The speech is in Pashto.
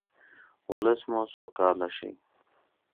ولس مو سوکاله شي.